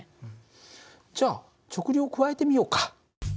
じゃあ直流を加えてみようか。